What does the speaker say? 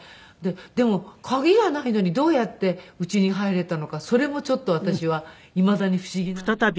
でも鍵がないのにどうやって家に入れたのかそれも私はいまだに不思議なんですけども。